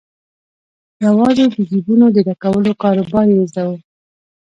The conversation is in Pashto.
یوازې د جیبونو د ډکولو کاروبار یې زده وو.